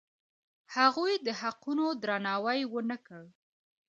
هغوی د حقونو درناوی ونه کړ.